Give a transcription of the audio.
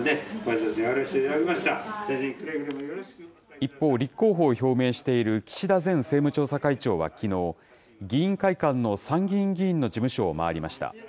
一方、立候補を表明している岸田前政務調査会長はきのう、議員会館の参議院議員の事務所を回りました。